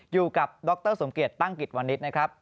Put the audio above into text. อยู่กับดรสมเกียจตั้งกิจวันนี้นะครับ